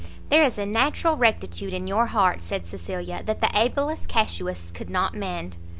"There is a natural rectitude in your heart," said Cecilia, "that the ablest casuists could not mend."